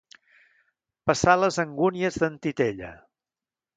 Passar les angúnies d'en Titella.